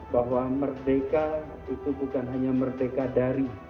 bahwa merdeka itu bukan hanya merdeka dari